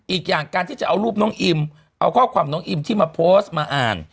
อีกอย่างการที่จะเอารูปน้องอิมเอาข้อความน้องอิมที่มาโพสต์มาอ่าน